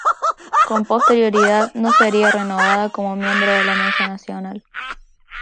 Con posterioridad no sería renovada como miembro de la Mesa Nacional.